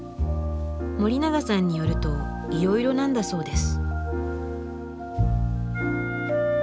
森永さんによるといろいろなんだそうです。